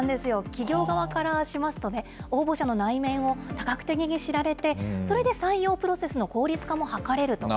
企業側からしますとね、応募者の内面を多角的に知られて、それで採用プロセスの効率化も図れると。